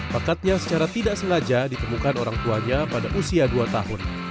pekatnya secara tidak sengaja ditemukan orang tuanya pada usia dua tahun